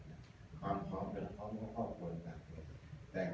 ความพร้อมกับคุณโรคบริการตามนี้